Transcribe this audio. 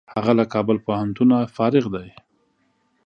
هغه له کابل پوهنتونه فارغ دی.